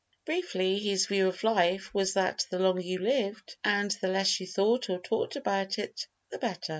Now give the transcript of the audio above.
Briefly, his view of life was that the longer you lived and the less you thought or talked about it the better.